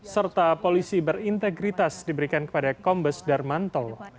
serta polisi berintegritas diberikan kepada kombes darmanto